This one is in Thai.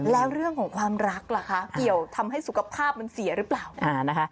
แล้วเรื่องของความรักล่ะคะเกี่ยวทำให้สุขภาพมันเสียหรือเปล่า